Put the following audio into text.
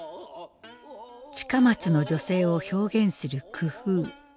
近松の女性を表現する工夫。